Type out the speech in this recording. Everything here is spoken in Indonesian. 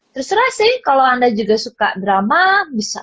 terserah sih kalau anda juga suka drama bisa